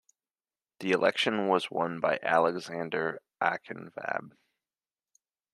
The election was won by Alexander Ankvab.